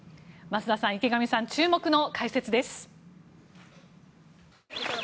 増田さん、池上さん注目の解説です。